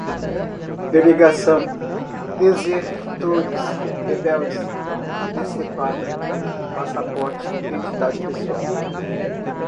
delegação, desertores, rebeldes, decepada, passaporte, identidade, pessoal